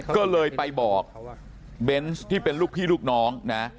ก็เลยไปบอกเบนส์ที่เป็นลูกพี่ลูกน้องนะ